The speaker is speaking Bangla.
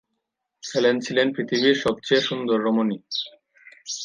হেলেন ছিলেন পৃথিবীর সবচেয়ে সুন্দরী রমণী।